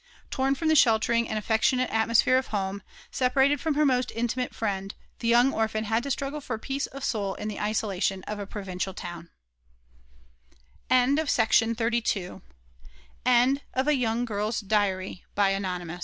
Torn from the sheltering and affectionate atmosphere of home, separated from her most intimate friend, the young orphan had to struggle for peace of soul in the isolation of a provincial town End of Project Gutenberg's A Young Girl's Diary, by An Anonymou